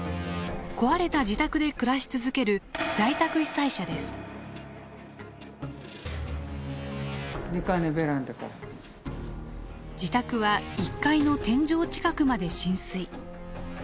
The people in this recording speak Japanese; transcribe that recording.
壊れた自宅で暮らし続ける自宅は１階の天井近くまで浸水。